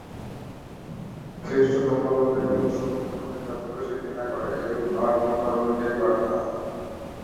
খ্রীষ্টধর্মাবলম্বিগণ মুসলমান ধর্মকে যত বেশী ঘৃণা করে, এরূপ আর কোন ধর্মকেই করে না।